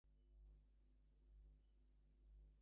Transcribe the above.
The primary changes are within the library interior.